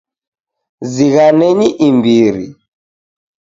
Zighanenyi imbiri.